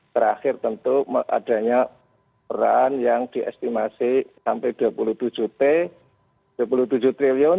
terakhir tentu adanya peran yang diestimasi sampai rp dua puluh tujuh triliun